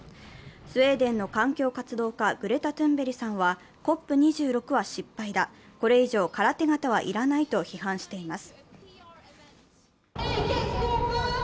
スウェーデンの環境活動家グレタ・トゥンベリさんはＣＯＰ２６は失敗だ、これ以上、空手形は要らないと批判しています。